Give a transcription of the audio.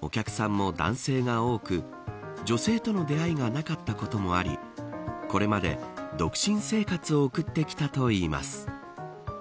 お客さんも男性が多く女性との出会いがなかったこともありこれまで独身生活を送ってきたといいます。